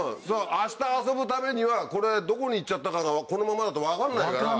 明日遊ぶためにはこれどこに行っちゃったかがこのままだと分かんないから。